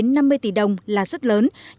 nhưng năm nay có những vụ thiệt hại lên tới